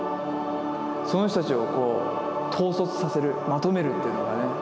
その人たちをこう統率させるまとめるというのがね